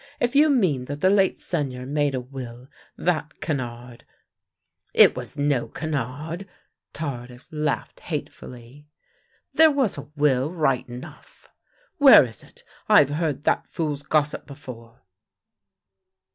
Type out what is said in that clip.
If you mean that the late Seigneur made a will — that canard "" It was no canard." Tardif laughed hatefully. "There was a will, right enough! "" Where is it? I've heard that fool's gossip before!